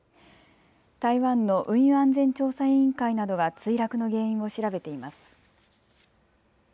台湾の運輸安全調査委員会などが墜落の原因を調べています。